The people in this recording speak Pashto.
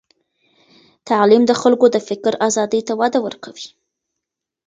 تعلیم د خلکو د فکر آزادۍ ته وده ورکوي.